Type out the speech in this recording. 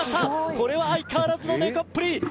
これは相変わらずのネコっぷり！